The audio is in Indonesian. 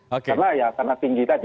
karena ya karena tinggi tadi